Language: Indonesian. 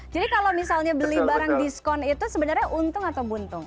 jadi kalau misalnya beli barang diskon itu sebenarnya untung atau buntung